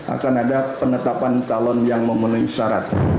akan ada penetapan calon yang memenuhi syarat